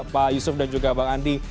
pak yusuf dan juga bang andi